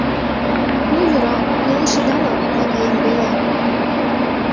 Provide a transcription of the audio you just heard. Ну, йӧра, нелеш ида нал, мый каем веле.